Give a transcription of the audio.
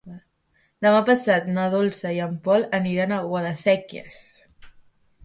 Demà passat na Dolça i en Pol aniran a Guadasséquies.